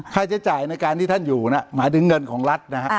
ค่าใช้จ่ายในการที่ท่านอยู่หมายถึงเงินของรัฐนะฮะ